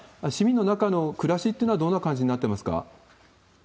市民の中の暮らしっていうのはどんな感じになってますか？